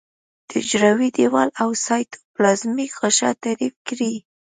د حجروي دیوال او سایتوپلازمیک غشا تعریف کړي.